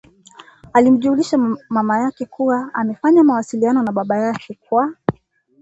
Alimjulisha mama yake kuwa amefanya mawasiliano na baba yake kwa